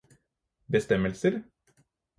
bestemmelser